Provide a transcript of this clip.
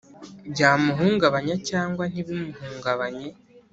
byamuhungabanya cyangwa ntibimuhungabanye,